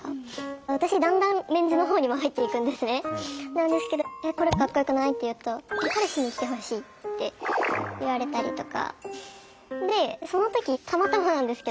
なんですけど「これかっこよくない？」って言うと「彼氏に着てほしい！」って言われたりとか。